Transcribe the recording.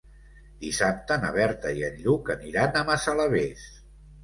Dissabte na Berta i en Lluc aniran a Massalavés.